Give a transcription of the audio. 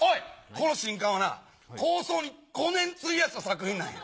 この新刊はな構想に５年費やした作品なんや。